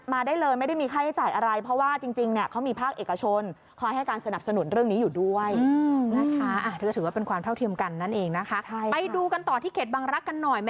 ได้เลยไม่ได้มีค่าใช้จ่ายอะไรเพราะว่าจริงเนี่ยเขามีภาคเอกชนคอยให้การสนับสนุนเรื่องนี้อยู่ด้วยนะคะ